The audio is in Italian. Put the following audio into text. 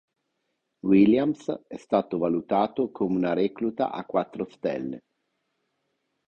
Williams è stato valutato come una recluta a quattro stelle.